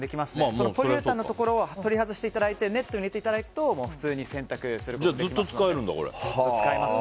そのポリウレタンのところを取り外していただいてネットに入れていただくと普通に洗濯することもできます。